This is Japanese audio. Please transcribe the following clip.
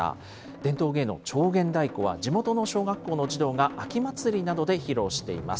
伝統芸能、重源太鼓は、地元の小学校の児童が秋祭りなどで披露しています。